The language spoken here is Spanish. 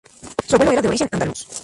Su abuelo era de origen andaluz.